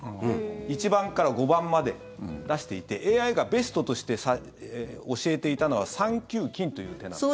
１番から５番まで出していてＡＩがベストとして教えていたのは３九金という手なんです。